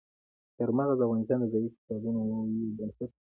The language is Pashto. چار مغز د افغانستان د ځایي اقتصادونو یو بنسټ دی.